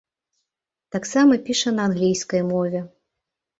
Таксама піша на англійскай мове.